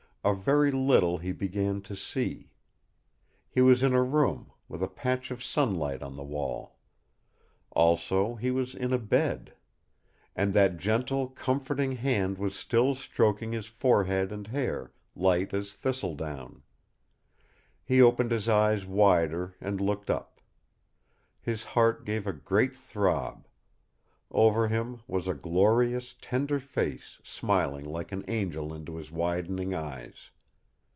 A very little he began to see. He was in a room, with a patch of sunlight on the wall. Also, he was in a bed. And that gentle, comforting hand was still stroking his forehead and hair, light as thistledown. He opened his eyes wider and looked up. His heart gave a great throb. Over him was a glorious, tender face smiling like an angel into his widening eyes.